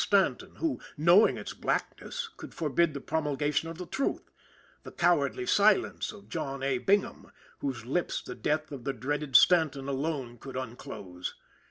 Stanton, who, knowing its blackness, could forbid the promulgation of the truth, the cowardly silence of John A. Bingham, whose lips the death of the dreaded Stanton alone could unclose.